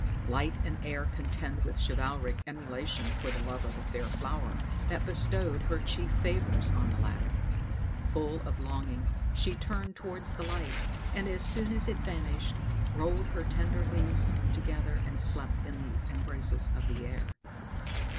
Light and air contend with chivalric emulation for the love of the fair flower that bestowed her chief favors on the latter; full of longing she turned towards the light, and as soon as it vanished, rolled her tender leaves together and slept in the embraces of the air.